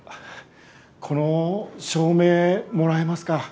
この照明もらえますか？